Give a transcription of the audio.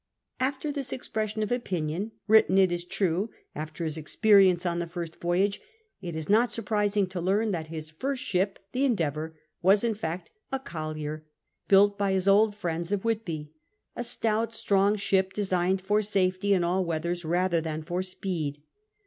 Aftor this expression of opinion, written, it is true, after his experience on the first voyage, it is not sur ])rising to learn that his first ship, the Endmmir^ was in fact a collier, built by his old friends of Whitby — a sitout, stwng ship, designeil for salcty in all weathers rather than for speed.